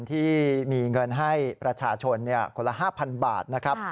ที่มีเงินให้ประชาชนคนละ๕๐๐บาทนะครับ